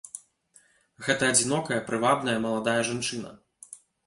Гэта адзінокая, прывабная, маладая жанчына.